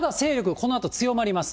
このあと強まります。